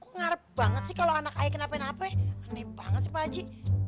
ngarep banget sih kalau anak ayah kenapa nape aneh banget sih pak haji